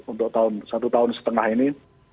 untuk satu tahun setengah ini